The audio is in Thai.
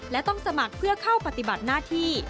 และต้องสมัครเพื่อเข้าปฏิบัติหน้าที่